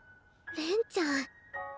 恋ちゃん。